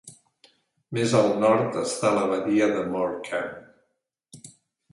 Més al nord està la badia de Morecambe.